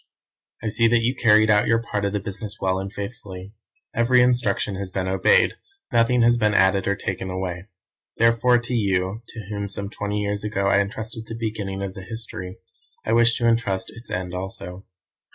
"I see that you carried out your part of the business well and faithfully. Every instruction has been obeyed, nothing has been added or taken away. Therefore, to you, to whom some twenty years ago I entrusted the beginning of the history, I wish to entrust its end also.